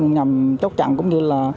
nhằm chốc chặn cũng như là